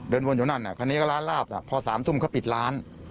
วนอยู่นั่นคราวนี้ก็ร้านลาบพอ๓ทุ่มเขาปิดร้าน